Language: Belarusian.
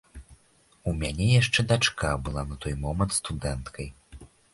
У мяне яшчэ дачка была на той момант студэнткай.